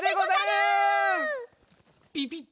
ピピッ。